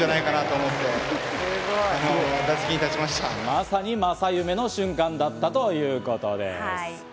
まさに正夢の瞬間だったということです。